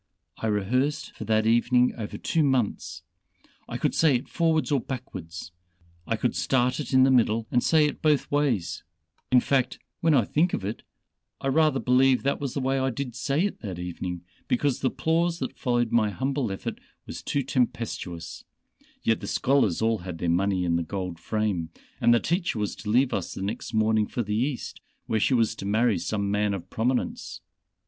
I rehearsed for that evening over two months I could say it forwards or backwards, I could start it in the middle and say it both ways in fact when I think of it, I rather believe that was the way I did say it that evening, because the applause that followed my humble effort was too tempestuous, yet the scholars all had their money in the gold frame, and the teacher was to leave us next morning for the East, where she was to marry some man of prominence.